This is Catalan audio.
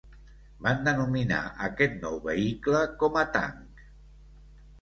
Van denominar aquest nou vehicle com a tanc.